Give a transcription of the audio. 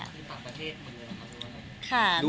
มีต่างประทศบันดาลค่ะด้วย